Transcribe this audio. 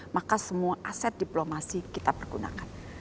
maka semua aset diplomasi kita pergunakan